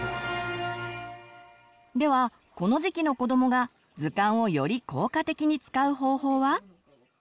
ではこの時期の子どもが図鑑をより効果的に使う方法は？